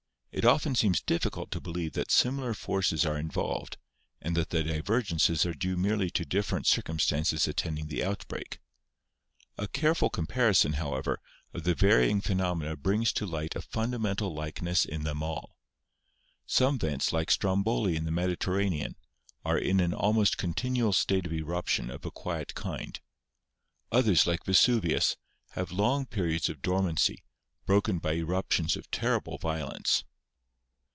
It often seems difficult to believe that similar forces are involved, and that the divergences are due merely to differ ent circumstances attending the outbreak. A careful com iii H2 GEOLOGY parison, however, of the varying phenomena brings to light a fundamental likeness in them all. Some vents, like Stromboli in the Mediterranean, are in an almost continual state of eruption of a quiet kind; others, like Vesuvius, have long periods of dormancy, broken by eruptions of terrible violence.